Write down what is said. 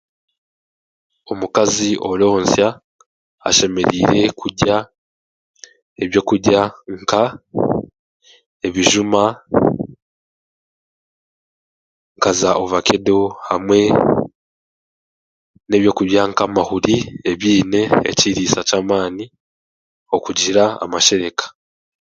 Omukazi oronsya ashemereire kugya eby'okurya nka ebijuuma, nkaza ovakedo hamwe n'eby'okurya nk'amahuuri ebyine ekirisa kyamaani okugira amashereka.